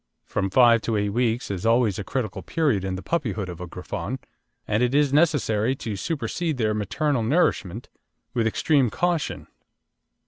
From five to eight weeks is always a critical period in the puppyhood of a Griffon, and it is necessary to supersede their maternal nourishment with extreme caution.